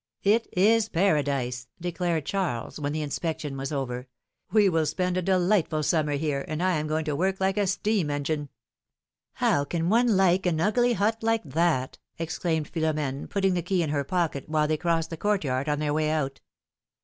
^^It is Paradise declared Charles, when the inspection was over; ^Sve will spend a delightful summer here, and I am going to work like a steam engine ! 76 philom^:ne^s marriages. ^^How can one like an ugly hut like that!'^ exclaimed Philomene, putting the key in her pocket, while they crossed the court yard on their way out.